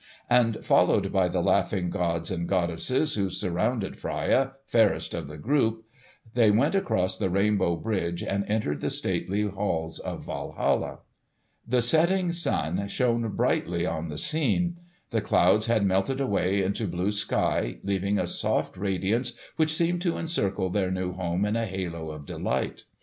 And followed by the laughing gods and goddesses, who surrounded Freia, fairest of the group, they went across the rainbow bridge and entered the stately halls of Walhalla. The setting sun shone brightly on the scene. The clouds had melted away into blue sky, leaving a soft radiance which seemed to encircle their new home in a halo of delight.